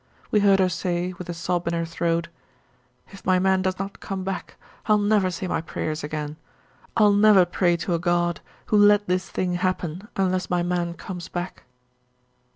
We heard her say, with a sob in her throat, "If my man does not come back, I'll never say my prayers again. I'll never pray to a God who let this thing happen unless my man comes back."